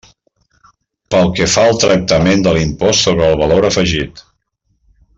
Pel que fa al tractament de l'impost sobre el valor afegit.